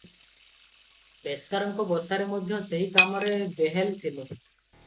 ପେସ୍କାରଙ୍କ ବସାରେ ମଧ୍ୟ ସେହି କାମରେ ବେହେଲ ଥିଲେ ।